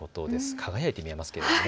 輝いて見えますね。